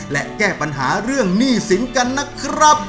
และแก้ปัญหาเรื่องหนี้สินกันนะครับ